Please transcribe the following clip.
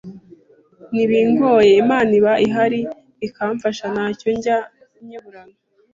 nibingoye Imana iba ihari ikamfasha ntacyo njya nyiburana.